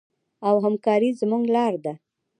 او همکاري زموږ لاره ده.